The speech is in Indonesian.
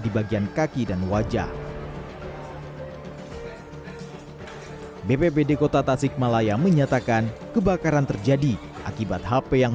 di bagian kaki dan wajah bpbd kota tasik malaya menyatakan kebakaran terjadi akibat hp yang